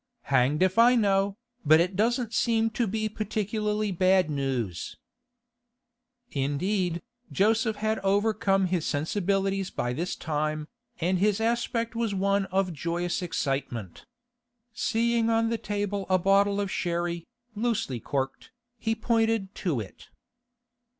'Hanged if I know, but it doesn't seem to be particularly bad news.' Indeed, Joseph had overcome his sensibilities by this time, and his aspect was one of joyous excitement. Seeing on the table a bottle of sherry, loosely corked, he pointed to it.